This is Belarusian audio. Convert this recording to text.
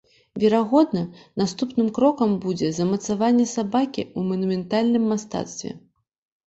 Верагодна, наступным крокам будзе замацаванне сабакі ў манументальным мастацтве.